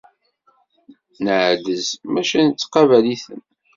Neɛdez maca nettqabal-iten.